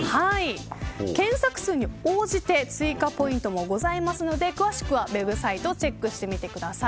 検索数に応じて追加ポイントもございますので詳しくはＷＥＢサイトをチェックしてみてください。